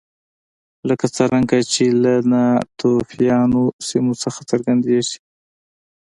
لکه څرنګه چې له ناتوفیانو سیمو څخه څرګندېږي